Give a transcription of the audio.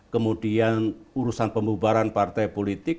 kemudian urusan pembubaran partai politik